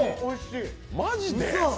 マジで？